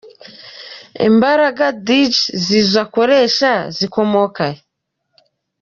Imbaraga Dj Zizou akoresha zikomora he?.